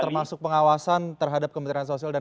termasuk pengawasan terhadap kementerian sosial dan